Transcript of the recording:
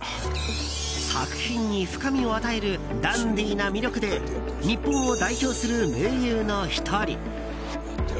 作品に深みを与えるダンディーな魅力で日本を代表する名優の１人。